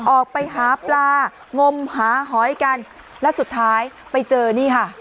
ออกไปหาปลางมหาหอยกันและสุดท้ายไปเจอนี่ค่ะ